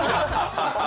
ハハハ。